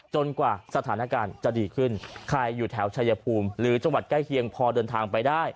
กว่าสถานการณ์จะดีขึ้นใครอยู่แถวชายภูมิหรือจังหวัดใกล้เคียงพอเดินทางไปได้